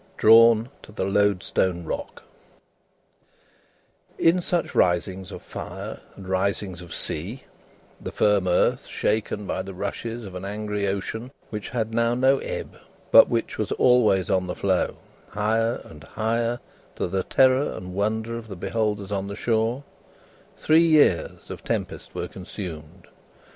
Drawn to the Loadstone Rock In such risings of fire and risings of sea the firm earth shaken by the rushes of an angry ocean which had now no ebb, but was always on the flow, higher and higher, to the terror and wonder of the beholders on the shore three years of tempest were consumed.